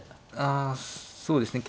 あそうですね